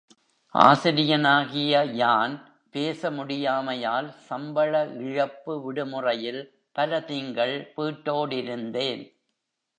ஆசிரியனாகிய யான் பேச முடியாமையால் சம்பள இழப்பு விடுமுறையில் பல திங்கள் வீட்டோடிருந்தேன்.